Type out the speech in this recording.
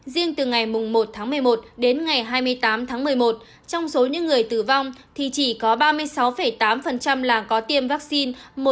riêng từ ngày một tháng một mươi một đến ngày hai mươi tám tháng một mươi một trong số những người tử vong thì chỉ có ba mươi sáu tám là có tiêm vaccine